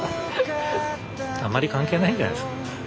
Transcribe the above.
あんまり関係ないんじゃないですか。